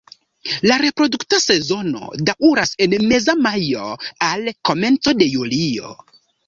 La reprodukta sezono daŭras el meza majo al komenco de julio.